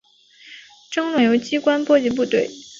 争论由机关波及部队。